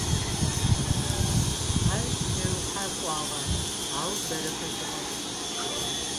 Ар шъоухьэ кӀуагъэ, ау бэрэ къэтыгъэп.